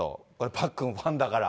パックン、ファンだから。